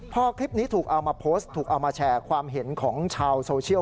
พอคลิปนี้ถูกเอามาโพสต์ถูกเอามาแชร์ความเห็นของชาวโซเชียล